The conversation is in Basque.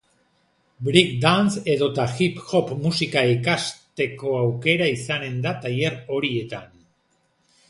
Break dance edota hip hop musika ikastekoaukera izanen da tailer horietan.